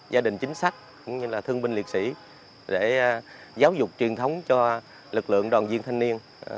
gia đình chính sách thương binh liệt sĩ giáo dục truyền thống cho lực lượng đoàn viên thanh niên